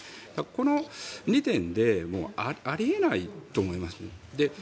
この２点であり得ないと思いますね。